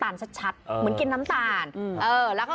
ที่บอกว่ากินแล้วเหมือนน้ำตาลชัดโอ้